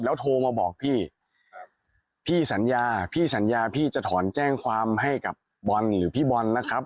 โทรมาบอกพี่พี่สัญญาพี่สัญญาพี่จะถอนแจ้งความให้กับบอลหรือพี่บอลนะครับ